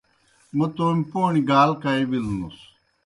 موْ تومیْ پوݨیْ گال کائی بِلوْنُس۔